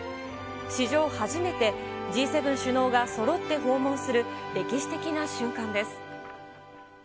史上初めて、Ｇ７首脳がそろって訪問する、歴史的な瞬間です。